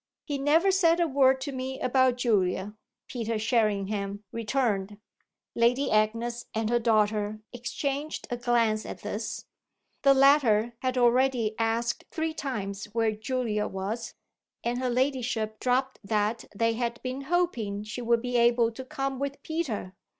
'" "He never said a word to me about Julia," Peter Sherringham returned. Lady Agnes and her daughter exchanged a glance at this: the latter had already asked three times where Julia was, and her ladyship dropped that they had been hoping she would be able to come with Peter.